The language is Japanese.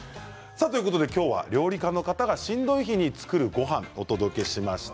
今日は料理家の方がしんどい日に作るごはんをお届けしました。